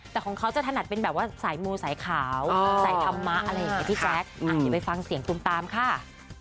แต่ของเขาจะถนัดเป็นสายมูลสายเขาสายธรรมะยอมรับอย่าไปฟังเสียงทุมตามค่ะ